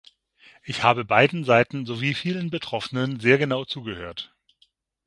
Ich habe beiden Seiten sowie vielen Betroffenen sehr genau zugehört.